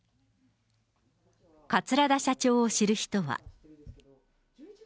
桂田社長を知る人は。